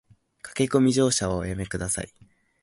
駆け込み乗車はおやめ下さい